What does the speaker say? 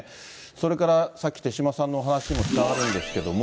それからさっき手嶋さんのお話にもつながるんですけれども。